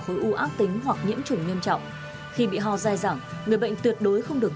khối u ác tính hoặc nhiễm chủng nghiêm trọng khi bị ho dài dẳng người bệnh tuyệt đối không được